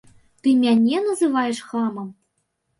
Ты мяне называеш хамам?